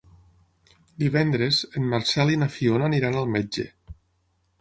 Divendres en Marcel i na Fiona aniran al metge.